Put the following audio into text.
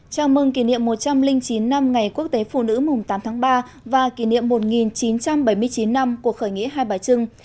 chào mừng kỷ niệm một trăm linh chín năm ngày quốc tế phụ nữ mùng tám tháng ba và kỷ niệm một nghìn chín trăm bảy mươi chín năm của khởi nghĩa hai bà trưng